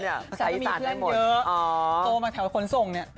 อาชาปันที่อีสานได้เยอะ